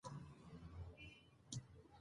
هغه نظر چې خپور شو اغېزمن و.